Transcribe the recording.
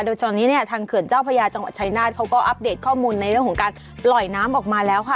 โดยตอนนี้เนี่ยทางเขื่อนเจ้าพญาจังหวัดชายนาฏเขาก็อัปเดตข้อมูลในเรื่องของการปล่อยน้ำออกมาแล้วค่ะ